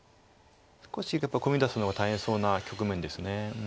少しやっぱりコミ出すのが大変そうな局面です。